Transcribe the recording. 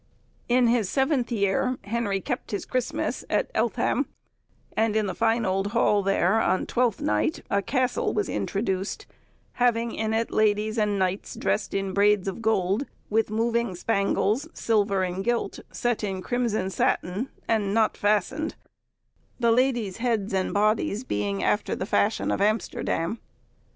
In his seventh year Henry kept his Christmas at Eltham; and in the fine old hall there, on Twelfth Night, a castle was introduced, having in it ladies and knights dressed in braids of gold, with moving spangles, silver and gilt, set in crimson satin, and not fastened; the ladies' heads and bodies being after the fashion of Amsterdam.